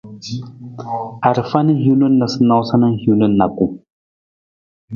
Arafa na hin noosanoosa na hiwung na nijakung.